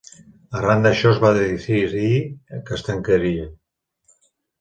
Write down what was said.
Arran d’això es va decidir que es tancaria.